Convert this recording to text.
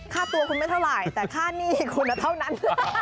ค่าตัวคุณไม่เท่าไหร่แต่ค่าหนี้คุณเท่านั้น